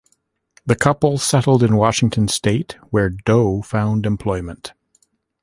The couple settled in Washington state, where Doe found employment.